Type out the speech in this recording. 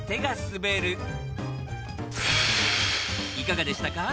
いかがでしたか？